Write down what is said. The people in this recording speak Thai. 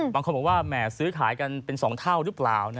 บางคนบอกว่าแหม่ซื้อขายกันเป็น๒เท่าหรือเปล่า